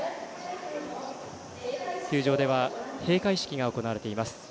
球場では閉会式が行われています。